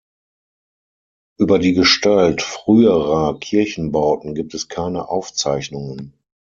Über die Gestalt früherer Kirchenbauten gibt es keine Aufzeichnungen.